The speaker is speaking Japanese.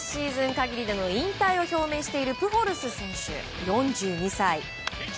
今シーズン限りの引退を表明しているプホルス選手、４２歳。